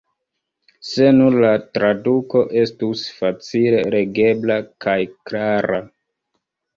Se nur la traduko estus facile legebla kaj klara.